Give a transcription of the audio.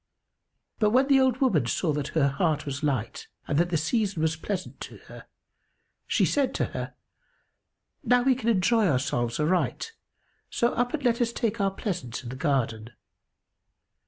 But when the old woman saw that her heart was light and that the season was pleasant to her, she said to her, "Now we can enjoy ourselves aright: so up and let us take our pleasance in the garden."